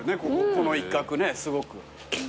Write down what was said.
この一角ねすごく。